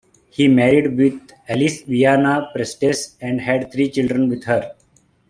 He married with Alice Viana Prestes, and had three children with her.